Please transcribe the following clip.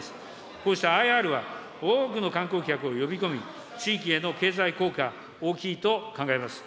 こうしたＩＲは、多くの観光客を呼び込み、地域への経済効果、大きいと考えます。